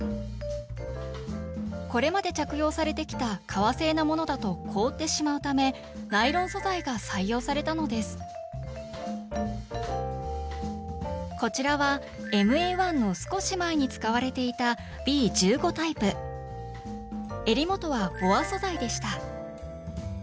これまで着用されてきた革製のものだと凍ってしまうためナイロン素材が採用されたのですこちらはＭＡ−１の少し前に使われていたえり元はボア素材でした。